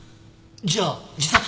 じゃあ自殺？